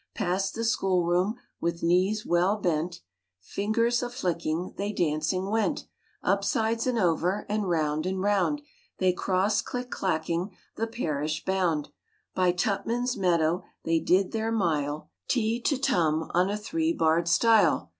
Past the schoolroom, With knees well bent Fingers a flicking, They dancing went. Up sides and over, And round and round, They crossed click clacking, The Parish bound, By Tupman's meadow They did their mile, RAINBOW GOLD Tee to tum On a three barred stile.